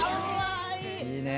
いいね。